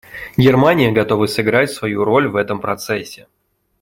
Германия готова сыграть свою роль в этом процессе.